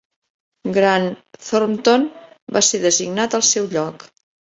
Grant Thornton va ser designat al seu lloc.